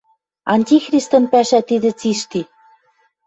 Антихристӹн пӓшӓ тидӹ цишти.